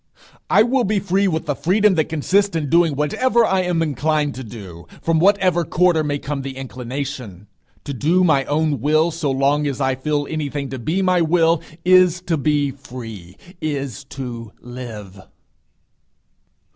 I will be free with the freedom that consists in doing whatever I am inclined to do, from whatever quarter may come the inclination. To do my own will so long as I feel anything to be my will, is to be free, is to live.